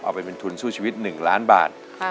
ไปเป็นทุนสู้ชีวิต๑ล้านบาท